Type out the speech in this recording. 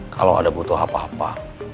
kalau ada butuh apa apa